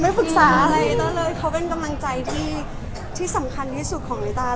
ไม่ปรึกษาอะไรเขาก็เป็นกำลังใจที่สำคัญที่สุดของหน้าตา